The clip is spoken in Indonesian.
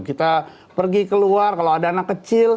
kita pergi keluar kalau ada anak kecil